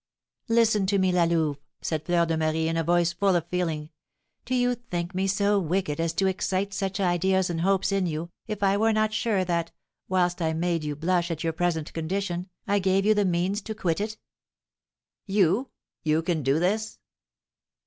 "Listen to me, La Louve," said Fleur de Marie, in a voice full of feeling; "do you think me so wicked as to excite such ideas and hopes in you, if I were not sure that, whilst I made you blush at your present condition, I gave you the means to quit it?" "You! You can do this?"